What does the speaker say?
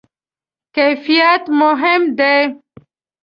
کیفیت مهم ده؟